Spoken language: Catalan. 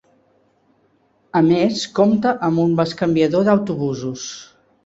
A més compta amb un bescanviador d'autobusos.